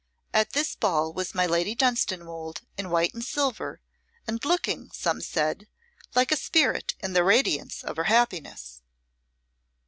At this ball was my Lady Dunstanwolde in white and silver, and looking, some said, like a spirit in the radiance of her happiness.